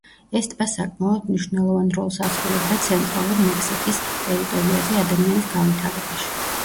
ეს ტბა საკმაოდ მნიშვნელოვან როლს ასრულებდა ცენტრალურ მექსიკის ტერიტორიაზე ადამიანის განვითარებაში.